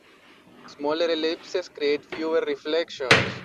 Smaller ellipses create fewer reflections.